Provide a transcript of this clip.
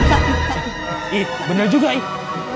eh bener juga eh